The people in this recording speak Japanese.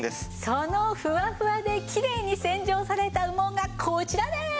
そのふわふわできれいに洗浄された羽毛がこちらでーす！